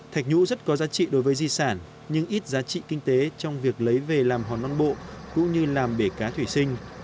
thạch nhũ rất có giá trị đối với di sản nhưng ít giá trị kinh tế trong việc lấy về làm hòn nam bộ cũng như làm bể cá thủy sinh